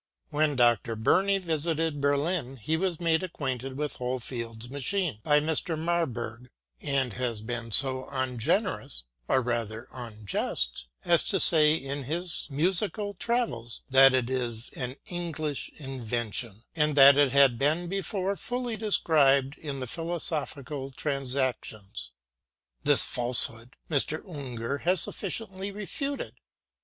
When Dr. Burney visited Berlin, he was made acquainted with HohlfeldŌĆÖs machine by Mr. Mar purg; and has been so ungenerous, or rather un just, as to say in his Musical Travels, that it is an English invention, and that it had been before fully described in the Philosophical Transactions. This falsehood Mr. Unger has sufficiently refuted.